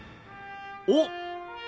おっ！